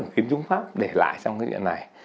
kiến trung pháp để lại trong cái viện này